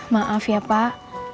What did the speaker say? maaf ya pak